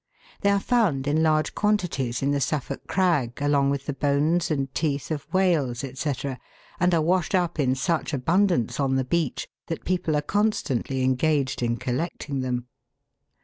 They are found in large quantities in the Suffolk Crag along with the bones and teeth of whales, &c., and are washed up in such abundance on the beach that people are constantly engaged in collecting them.